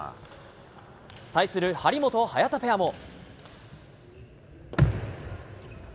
対する張本・早田ペアも。